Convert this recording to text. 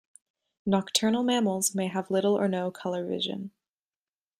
Nocturnal mammals may have little or no color vision.